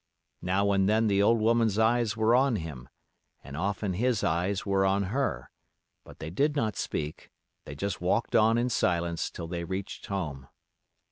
Now and then the old woman's eyes were on him, and often his eyes were on her, but they did not speak; they just walked on in silence till they reached home.